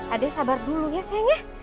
adek sabar dulu ya sayangnya